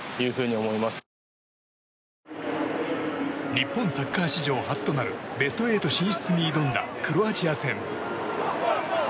日本サッカー史上初となるベスト８進出に挑んだクロアチア戦。